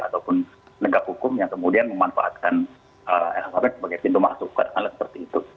ataupun negara hukum yang kemudian memanfaatkan lhkpn sebagai pintu masuk ke dalam hal seperti itu